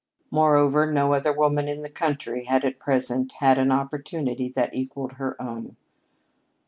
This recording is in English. Moreover, no other woman in the country had at present had an opportunity that equaled her own.